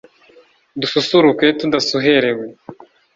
dususuruke tudasuherewe